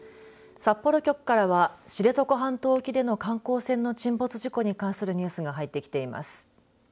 札幌局からは知床半島沖での観光船の沈没事故に関するニュースが入ってきています。